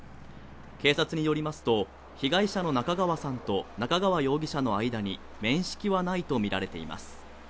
警察によりますと被害者の中川さんと中川容疑者の間に面識はないとみられています